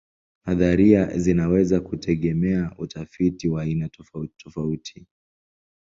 Nadharia zinaweza kutegemea utafiti wa aina tofautitofauti.